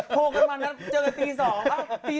โทรกันมานะเจอกันตี๒ป่ะ